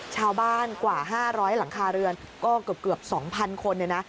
กว่า๕๐๐หลังคาเรือนก็เกือบ๒๐๐คนเลยนะ